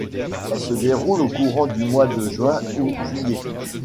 Elle se déroule au courant du mois de juin ou juillet.